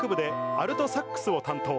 アルトサックスを担当。